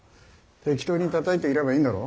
適当にたたいていればいいんだろ。